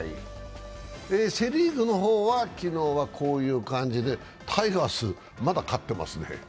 セ・リーグの方は昨日はこういう感じでタイガース、まだ勝っていますね。